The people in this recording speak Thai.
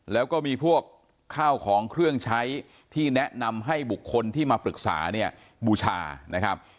แล้วก็มีพวกข้าวของเครื่องใช้ที่แนะนำให้บุคคลที่มาปรึกษาเนี่ยบูชานะครับ